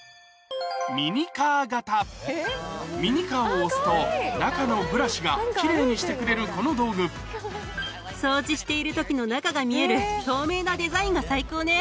ミニカーを押すと中のブラシが奇麗にしてくれるこの道具掃除している時の中が見える透明なデザインが最高ね。